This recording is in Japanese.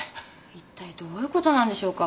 一体どういうことなんでしょうか？